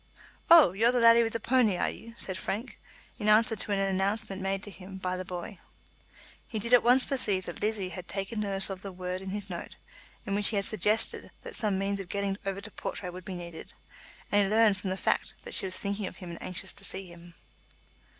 "Oh, you're the laddie with the pownie, are you?" said Frank, in answer to an announcement made to him by the boy. He did at once perceive that Lizzie had taken notice of the word in his note, in which he had suggested that some means of getting over to Portray would be needed, and he learned from the fact that she was thinking of him and anxious to see him.